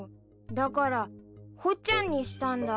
だからほっちゃんにしたんだ。